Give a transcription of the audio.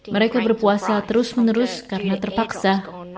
mereka berpuasa terus menerus karena terpaksa